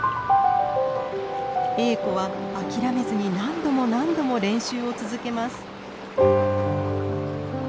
エーコは諦めずに何度も何度も練習を続けます。